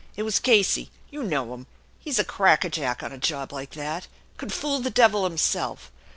It was Casey; you know him; he's a cracker jack on a job like that, could fool the devil himself.